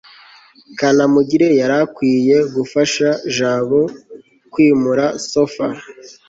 kanamugire yari akwiye gufasha jabo kwimura sofa